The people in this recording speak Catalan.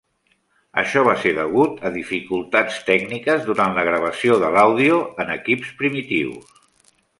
Això va ser degut a dificultats tècniques durant la gravació de l'àudio en equips primitius.